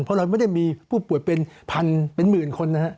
เพราะเราไม่ได้มีผู้ป่วยเป็นพันเป็นหมื่นคนนะฮะ